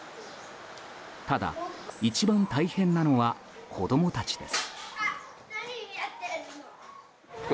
ただ、一番大変なのは子供たちです。